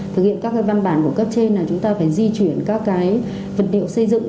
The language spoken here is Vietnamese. thực hiện các cái văn bản của cấp trên là chúng ta phải di chuyển các cái vật liệu xây dựng